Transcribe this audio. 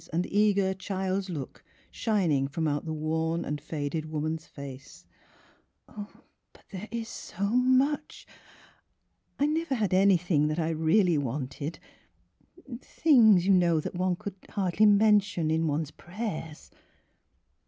nd the eager child's look 24 Miss Phihira shining from out the worn and faded woman's face. "But — but there is so much! I — I never had any thing that I really wanted — things, you know, that one could hardly mention in one's prayers."